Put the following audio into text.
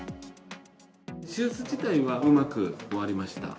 手術自体はうまく終わりました。